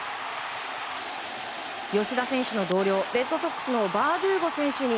吉田選手の同僚レッドソックスのバードゥーゴ選手に